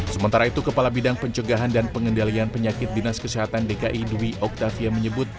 sementara itu kepala bidang pencegahan dan pengendalian penyakit dinas kesehatan dki dwi oktavia menyebut